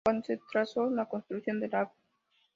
Cuando se trazó la construcción de la Av.